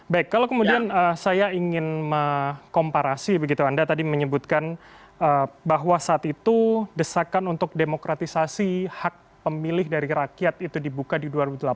baik kalau kemudian saya ingin mengkomparasi begitu anda tadi menyebutkan bahwa saat itu desakan untuk demokratisasi hak pemilih dari rakyat itu dibuka di dua ribu delapan belas